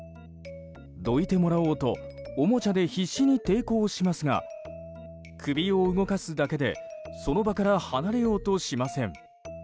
どいてもらおうとおもちゃで必死に抵抗しますが首を動かすだけでその場から離れようとしません。